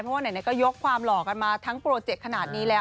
เพราะว่าไหนก็ยกความหล่อกันมาทั้งโปรเจกต์ขนาดนี้แล้ว